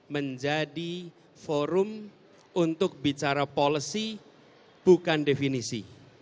menjadi forum untuk bicara policy bukan definisi